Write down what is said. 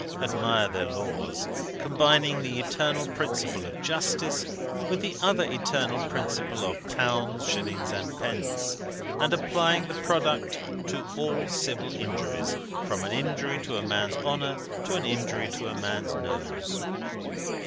Admire their laws, combining the eternal principle of justice with the other eternal principle of pounds, shillings, and pence; and applying the product to all civil injuries, from an injury to a man's honour, to an injury to a man's nose!